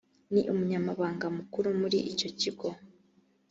ni umunyamabanga mukuru muri icyo gihe